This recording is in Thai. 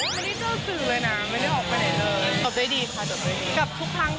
มันเป็นเพื่อนกันมาก่อนแล้วไง